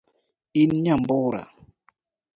In nyambura